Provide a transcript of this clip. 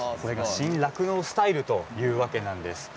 新酪農スタイルというわけなんです。